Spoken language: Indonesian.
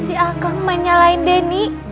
si akang menyalain deni